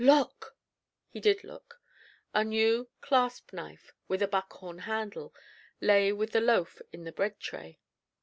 "Look!" He did look. A new clasp knife with a buckhorn handle lay with the loaf in the bread tray.